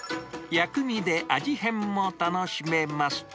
薬味で味変も楽しめます。